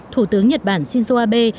thủ tướng nhật bản shinzo abe